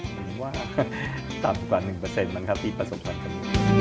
เหมือนว่าต่ำกว่า๑มันครับที่ประสบความข้าวเท็จ